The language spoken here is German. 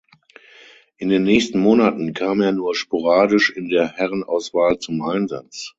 In den nächsten Monaten kam er nur sporadisch in der Herrenauswahl zum Einsatz.